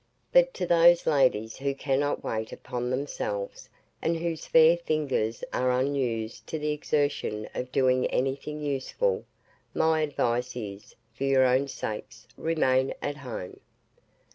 But to those ladies who cannot wait upon themselves, and whose fair fingers are unused to the exertion of doing anything useful, my advice is, for your own sakes remain at home.